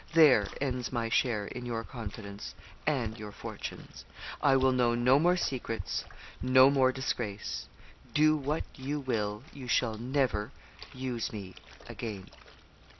There ends my share in your confidence and your fortunes. I will know no more secrets no more disgrace; do what you will, you shall never use me again.'